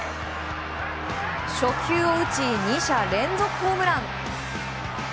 初球を打ち２者連続ホームラン。